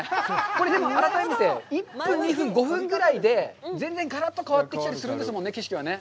これでも改めて１分、２分、５分ぐらいで全然、がらっと変わってきたりするんですもんね、景色はね。